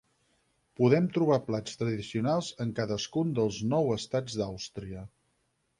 Podem trobar plats tradicionals en cadascun dels nou estats d'Àustria.